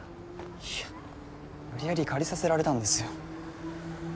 いや無理やり借りさせられたんですよ。